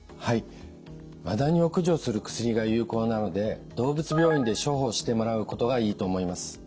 マダニを駆除する薬が有効なので動物病院で処方してもらうことがいいと思います。